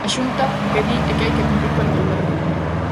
A Xunta o que di é que hai que cumprir coa legalidade.